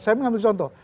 saya mengambil contoh